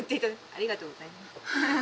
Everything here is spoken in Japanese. ありがとうございます。